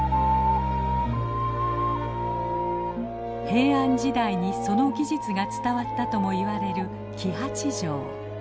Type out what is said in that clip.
平安時代にその技術が伝わったともいわれる黄八丈。